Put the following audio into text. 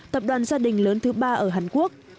tập đoàn gia đình lớn thứ ba ở hàn quốc